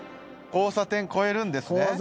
交差点越えるんですね。